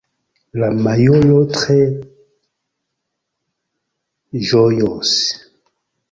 La majoro tre ĝojos.